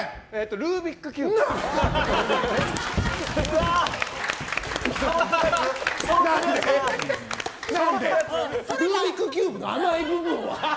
ルービックキューブの甘い部分は？